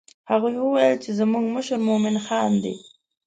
هغوی وویل چې زموږ مشر مومن خان دی.